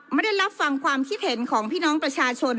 ไม่ได้รับฟังความคิดเห็นของพี่น้องประชาชน